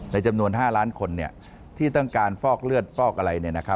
จำนวน๕ล้านคนที่ต้องการฟอกเลือดฟอกอะไร